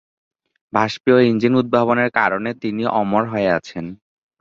বাষ্পীয় engine উদ্ভাবনের কারণে তিনি অমর হয়ে আছেন।